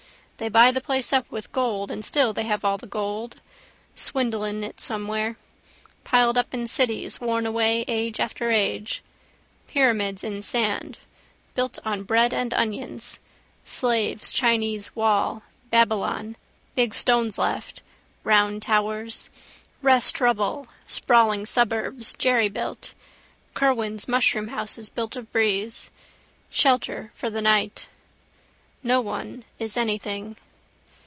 They buy the place up with gold and still they have all the gold. Swindle in it somewhere. Piled up in cities, worn away age after age. Pyramids in sand. Built on bread and onions. Slaves Chinese wall. Babylon. Big stones left. Round towers. Rest rubble, sprawling suburbs, jerrybuilt. Kerwan's mushroom houses built of breeze. Shelter, for the night. No one is anything.